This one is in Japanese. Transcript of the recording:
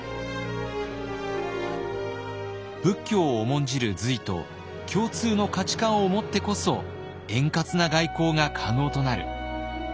仏教を重んじる隋と共通の価値観を持ってこそ円滑な外交が可能となる。